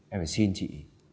em phải xin chị